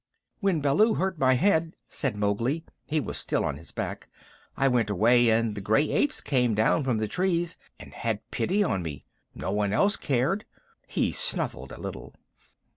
"When Baloo hurt my head," said Mowgli (he was still on his back), "I went away, and the gray apes came down from the trees and had pity on me. No one else cared." He snuffled a little.